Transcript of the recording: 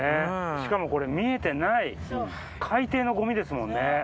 しかもこれ見えてない海底のごみですもんね。